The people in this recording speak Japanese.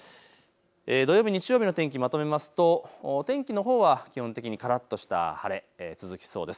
土曜日、日曜日の天気をまとめますと天気のほうは基本的にからっとした晴れ続きそうです。